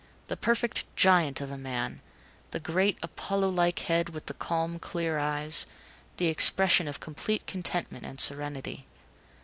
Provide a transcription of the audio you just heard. The perfect giant of a man; the great, Apollo like head with the calm, clear eyes; the expression of complete contentment and serenity.